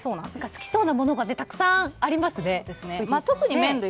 好きそうなものがたくさんありますね、藤井さんの。